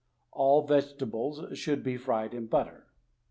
(All the vegetables should be fried in butter).